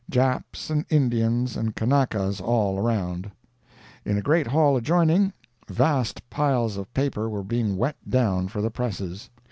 Japs and Indians and Kanakas all around. In a great hall adjoining, vast piles of paper were being wet down for the presses.